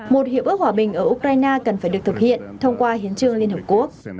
một hiệp ước hòa bình ở ukraine cần phải được thực hiện thông qua hiến trương liên hợp quốc